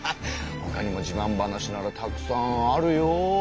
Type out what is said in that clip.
ほかにもじまん話ならたくさんあるよ。